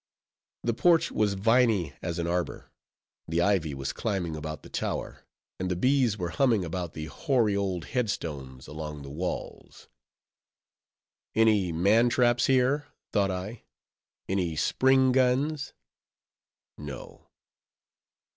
The porch was viny as an arbor; the ivy was climbing about the tower; and the bees were humming about the hoary old head stones along the walls. Any man traps here? thought I—any spring guns? No.